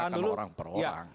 itu tindakan orang per orang